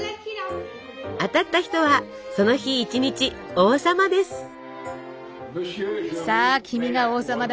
当たった人はその日一日王様です！